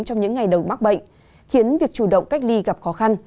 trong những ngày đầu mắc bệnh khiến việc chủ động cách ly gặp khó khăn